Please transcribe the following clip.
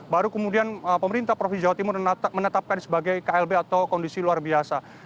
baru kemudian pemerintah provinsi jawa timur menetapkan sebagai klb atau kondisi luar biasa